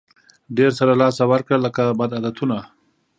ډېر څه له لاسه ورکړه لکه بد عادتونه.